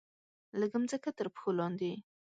لږه مځکه ترپښو لاندې